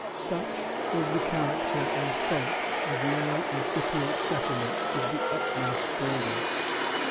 Such was the character and the fate of many incipient settlements of the utmost border.